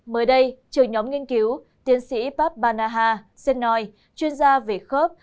mới đây trường nhóm nghiên cứu tiến sĩ pap banaha senoi chuyên gia về khớp